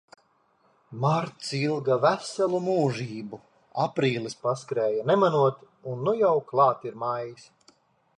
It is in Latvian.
Marts ilga veselu mūžību, aprīlis paskrēja nemanot, un nu jau klāt ir maijs.